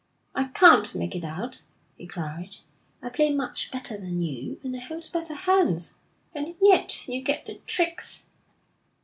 'I can't make it out,' he cried. 'I play much better than you, and I hold better hands, and yet you get the tricks.'